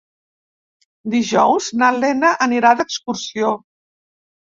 Dijous na Lena anirà d'excursió.